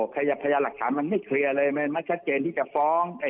พยานหลักฐานมันไม่เคลียร์เลยมันไม่ชัดเจนที่จะฟ้อง